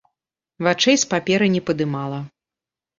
Вачэй з паперы не падымала.